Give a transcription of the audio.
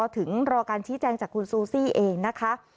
ถึงรอการชี้แจงจากคุณซูซี่เองนะคะ